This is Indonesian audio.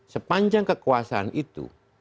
sepanjang kekuasaan itu